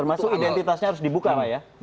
termasuk identitasnya harus dibuka pak ya